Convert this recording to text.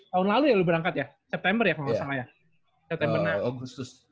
tahun lalu ya lu berangkat ya september ya kalau ga salah ya